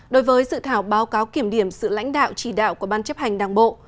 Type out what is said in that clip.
đối với dự thảo báo cáo kiểm điểm sự lãnh đạo chỉ đạo của ban chấp hành đảng bộ